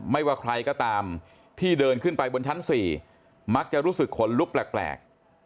ว่าใครก็ตามที่เดินขึ้นไปบนชั้น๔มักจะรู้สึกขนลุกแปลก